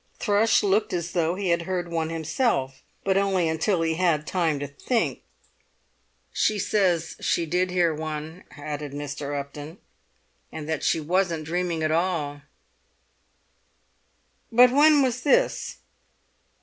Thrush looked as though he had heard one himself, but only until he had time to think. "She says she did hear one," added Mr. Upton, "and that she wasn't dreaming at all." "But when was this?"